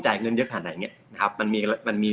จ่ายเงินเยอะขนาดไหนอย่างเงี้ยนะครับมันมีมันมี